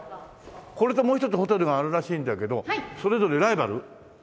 これともう一つホテルがあるらしいんだけどそれぞれライバル？